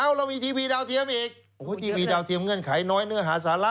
เรามีทีวีดาวเทียมอีกโอ้โหทีวีดาวเทียมเงื่อนไขน้อยเนื้อหาสาระ